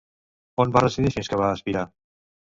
On va residir fins que va expirar?